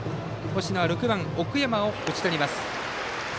星野は６番、奥山を打ち取ります。